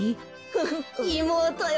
フフッいもうとよ